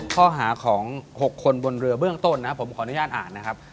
ข้อหาของ๖คนบนเรือเบื้องต้นนะผมขออนุญาตอ่านนะครับ